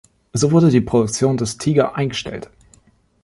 So wurde die Produktion des Tiger eingestellt.